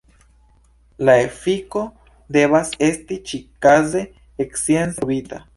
La efiko devas esti ĉikaze science pruvita.